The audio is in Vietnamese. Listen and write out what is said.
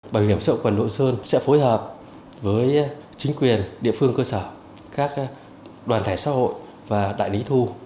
bảo hiểm xã hội quận độ sơn sẽ phối hợp với chính quyền địa phương cơ sở các đoàn thể xã hội và đại lý thu